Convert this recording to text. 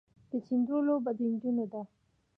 د چيندرو لوبه د نجونو ده.